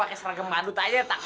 nih nyalain dikit daripada jajang